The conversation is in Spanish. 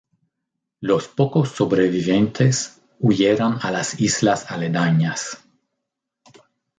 Los pocos sobrevivientes huyeron a las islas aledañas.